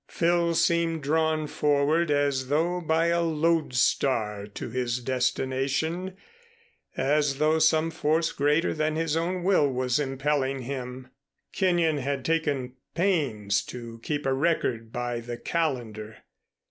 Phil seemed drawn forward as though by a lodestar to his destination, as though some force greater than his own will was impelling him. Kenyon had taken pains to keep a record by the calendar.